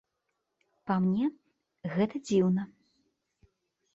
Па мне, гэта дзіўна.